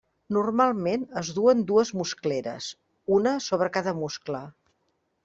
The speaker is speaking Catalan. Normalment es duen dues muscleres, una sobre cada muscle.